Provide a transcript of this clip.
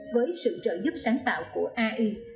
với sự trợ giúp sáng tạo của ai